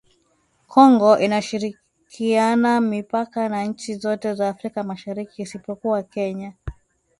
Kongo inashirikiana mipaka na nchi zote za Afrika Mashariki isipokuwa Kenya